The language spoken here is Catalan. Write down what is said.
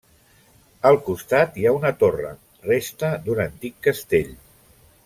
Al costat hi ha una torre, resta d'un antic castell.